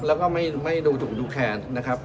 แล้วก็ไม่ดูถูกดูแค้นนะครับ